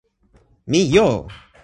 mi jo!